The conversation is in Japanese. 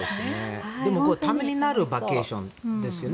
でもためになるバケーションですよね